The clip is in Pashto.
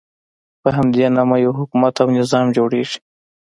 په همدې نامه یو حکومت او نظام جوړېږي.